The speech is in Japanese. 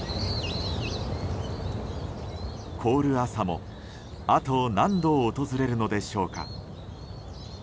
凍る朝もあと何度訪れるのでしょうか。